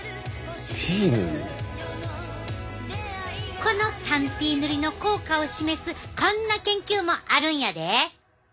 この３Ｔ塗りの効果を示すこんな研究もあるんやで！